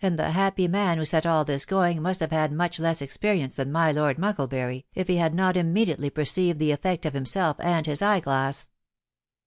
aadthehtjfjl man who set all this going must have had much less en, rience than my Lord Mucklebury, if he had not ^"^ perceived the effect of himself and his eye glass.